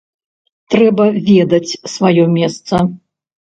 Трэба ведаць сваё месца.